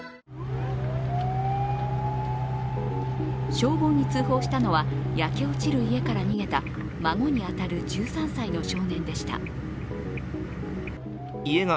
消防に通報したのは焼け落ちる家から逃げた孫に当たる１３歳の少年でした。